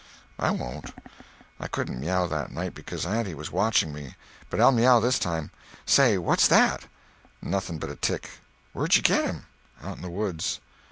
"I won't. I couldn't meow that night, becuz auntie was watching me, but I'll meow this time. Say—what's that?" "Nothing but a tick." "Where'd you get him?" "Out in the woods."